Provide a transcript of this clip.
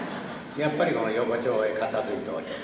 やっぱり横丁へ片づいております。